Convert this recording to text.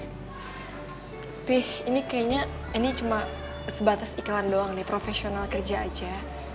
tapi ini kayaknya ini cuma sebatas iklan doang nih profesional kerja aja